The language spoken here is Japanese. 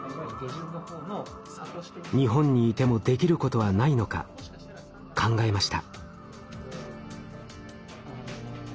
日本にいてもできることはないのか考えました。